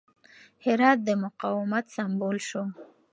هرات د مقاومت سمبول شو.